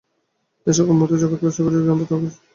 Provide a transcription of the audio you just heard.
এই সকল মুহূর্তই জগৎকে সক্রেটিসীয় জ্ঞান প্রদান করিয়াছে।